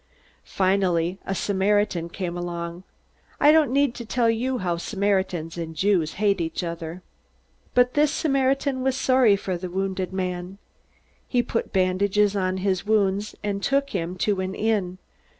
"Finally a Samaritan came along. I don't need to tell you how Samaritans and Jews hate each other! But this Samaritan was sorry for the wounded man. He put bandages on his wounds, and took him to an inn.